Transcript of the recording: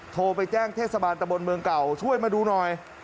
โทรไปแจ้งเทศบาลตะบนเมืองเก่าช่วยมาดูหน่อย